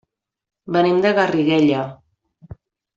Venim de Garriguella.